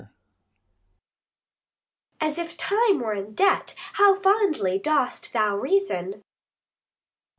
Adr. As if Time were in debt! how fondly dost thou reason!